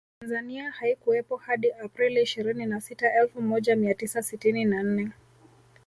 Tanzania haikuwepo hadi Aprili ishirini na sita Elfu moja mia tisa sitini na nne